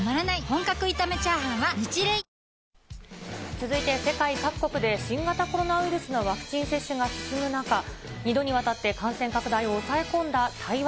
続いて世界各国で新型コロナウイルスのワクチン接種が進む中、２度にわたって感染拡大を抑え込んだ台湾。